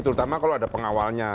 terutama kalau ada pengawalnya